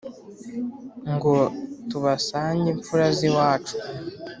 ngo tubasange mfura z’iwacu